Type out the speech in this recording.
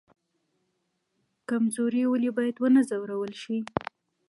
کمزوری ولې باید ونه ځورول شي؟